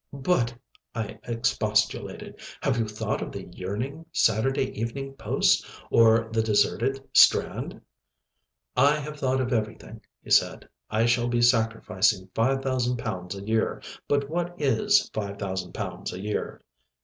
"But," I expostulated, "have you thought of the yearning Saturday Evening Post, of the deserted Strand?" "I have thought of everything," he said, "I shall be sacrificing 5,000 pounds a year, but what is 5,000 pounds a year?"